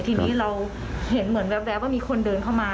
ทีนี้เราเห็นเหมือนแววว่ามีคนเดินเข้ามา